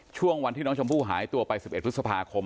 ช่วงวันที่น้องชมพู่หายตัวไป๑๑พฤษภาคม